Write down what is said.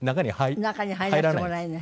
中に入らせてもらえない。